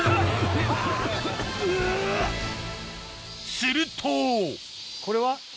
するとこれは？